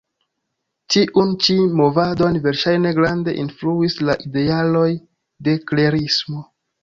Tiun ĉi movadon verŝajne grande influis la idealoj de Klerismo.